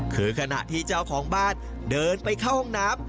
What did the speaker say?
คือขณะที่เจ้าของบ้านเดินไปเข้าห้องน้ำ